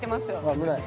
危ない。